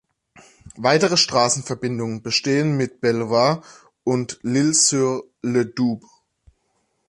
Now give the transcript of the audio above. Weitere Straßenverbindungen bestehen mit Belvoir und L’Isle-sur-le-Doubs.